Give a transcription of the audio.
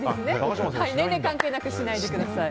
年齢関係なくしないでください。